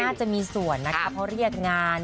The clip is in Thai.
น่าจะมีส่วนนะคะเพราะเรียกงาน